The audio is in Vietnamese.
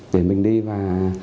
để mình đi và